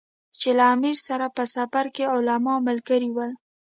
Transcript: چې له امیر سره په سفر کې علما ملګري ول.